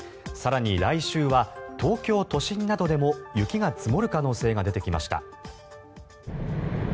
更に来週は東京都心などでも雪が積もる可能性が出てきました。